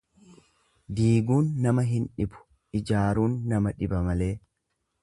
Diiguun nama hin dhibu, ijaaruun nama dhiba malee.